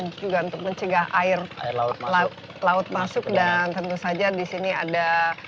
ini merupakan benteng untuk mencegah abrasi dan juga untuk mencegah air laut masuk dan tentu saja disini ada